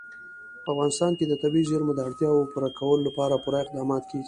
په افغانستان کې د طبیعي زیرمو د اړتیاوو پوره کولو لپاره پوره اقدامات کېږي.